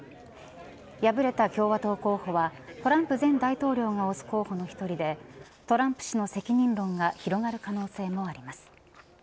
敗れた共和党候補はトランプ前大統領が推す候補の１人でトランプ氏の責任論が広がる可能性もあります